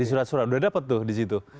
di surat surat sudah dapat tuh di situ